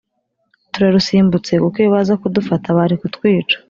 turarusimbutse kuko iyo baza kudufata bari kutwica